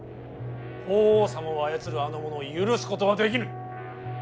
法皇様を操るあの者を許すことはできぬ。